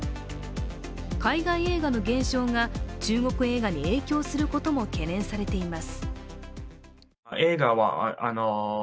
海外映画の減少が中国映画に影響することも懸念されています。